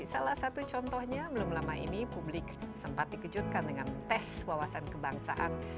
salah satu contohnya belum lama ini publik sempat dikejutkan dengan tes wawasan kebangsaan